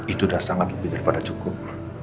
itu sudah sangat lebih daripada cukup